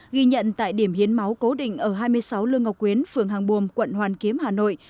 ghi nhận tại điểm hiến máu cố định ở hai mươi sáu lương ngọc quyến phường hàng buồm quận hoàn kiếm hà nội